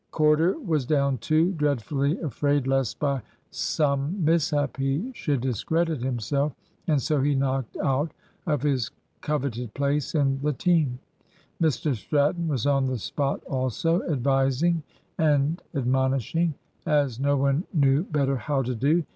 Corder was down too; dreadfully afraid lest by some mishap he should discredit himself, and so be knocked out of his coveted place in the team. Mr Stratton was on the spot also, advising and admonishing as no one knew better how to do.